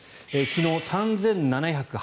昨日、３７８８人。